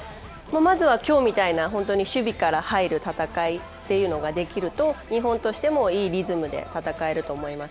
まずはきょうみたいな守備から入る戦いというのができると日本としてもいいリズムで戦えると思います。